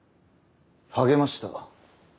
励ました？